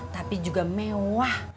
tapi juga mewah